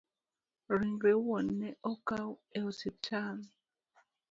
Ringre wuon ne okawo e osiptal